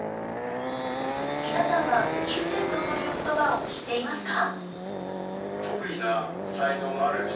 皆さんはギフテッドという言葉を知っていますか？